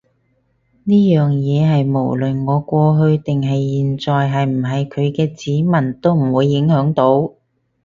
呢樣嘢係無論我過去定係現在係唔係佢嘅子民都唔會影響到